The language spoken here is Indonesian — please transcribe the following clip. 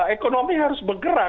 ekonomi harus bergerak